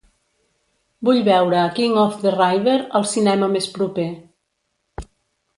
Vull veure King of the River al cinema més proper